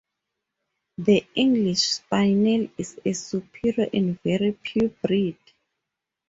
The English spaniel is a superior and very pure breed.